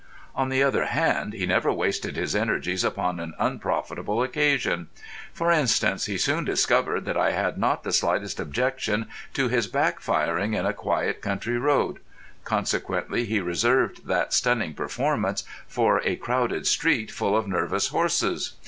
On the other hand, he never wasted his energies upon an unprofitable occasion. For instance, he soon discovered that I had not the slightest objection to his back firing in a quiet country road. Consequently he reserved that stunning performance for a crowded street full of nervous horses.